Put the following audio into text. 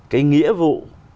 cái nghĩa vụ